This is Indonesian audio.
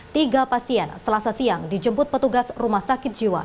tiga pasien selasa siang dijemput petugas rumah sakit jiwa